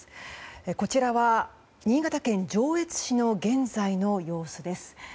こちらは新潟県上越市の現在の様子です。